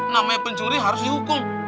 namanya pencuri harus dihukum